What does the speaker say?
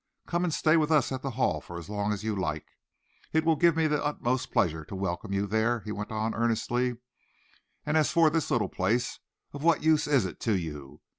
Come and stay with us at the Hall for as long as you like. It will give me the utmost pleasure to welcome you there," he went on earnestly, "and as for this little place, of what use is it to you?